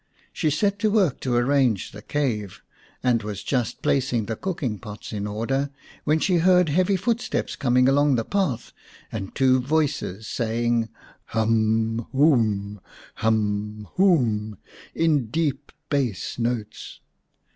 She set to work to arrange the cave, and was just placing the cooking pots in order when she heard heavy footsteps coming along the path and two voices saying " Hum, hoom ! Hum, hoom !" in deep bass notes.